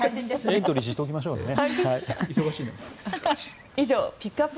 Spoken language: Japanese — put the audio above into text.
エントリーしておきましょうね。